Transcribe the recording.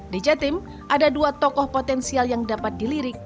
di jatim ada dua tokoh potensial yang dapat dilirik